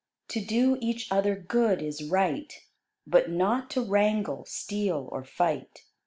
To do each other good is right, But not to wrangle, steal, or fight.